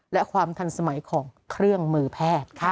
และความทันสมัยของเครื่องมือแพทย์